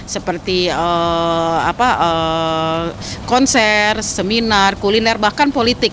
seperti konser seminar kuliner bahkan politik